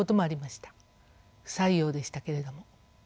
不採用でしたけれども。